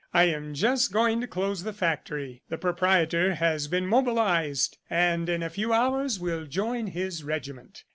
"I am just going to close the factory. The Proprietor has been mobilized, and in a few hours will join his regiment."